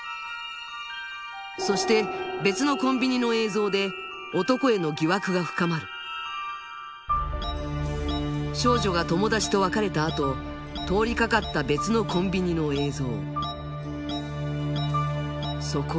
そして別のコンビニの映像で男への疑惑が深まる少女が友達と別れたあと通りかかった別のコンビニの映像